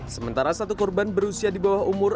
sementara satu korban berusia di bawah umur